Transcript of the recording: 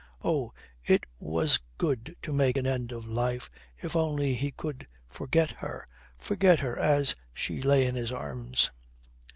Oh, it was good to make an end of life if only he could forget her, forget her as she lay in his arms.